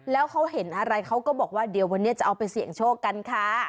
แล้วเขาเห็นอะไรเขาก็บอกว่าเดี๋ยววันนี้จะเอาไปเสี่ยงโชคกันค่ะ